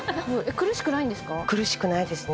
苦しくないですね